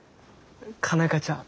佳奈花ちゃん